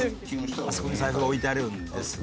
あそこに財布が置いてあるんですね。